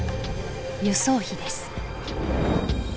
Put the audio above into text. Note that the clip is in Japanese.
輸送費です。